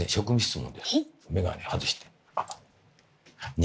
眼鏡外して。